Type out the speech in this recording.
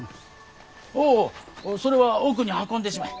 おいそれは奥に運んでしまえ。